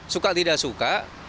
suka tidak suka